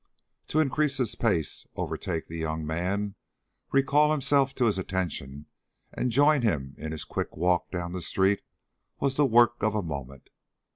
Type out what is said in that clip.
To increase his pace, overtake the young man, recall himself to his attention, and join him in his quick walk down the street, was the work of a moment.